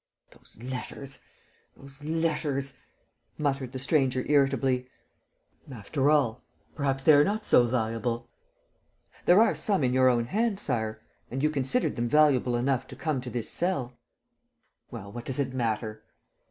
"Those letters, those letters!" muttered the stranger irritably. "After all, perhaps they are not so valuable. ..." "There are some in your own hand, Sire; and you considered them valuable enough to come to this cell. ..." "Well, what does it matter?"